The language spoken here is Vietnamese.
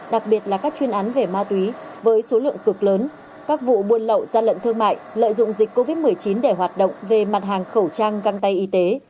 đặc biệt là các chuyên án về ma túy với số lượng cực lớn các vụ buôn lậu gian lận thương mại lợi dụng dịch covid một mươi chín để hoạt động về mặt hàng khẩu trang găng tay y tế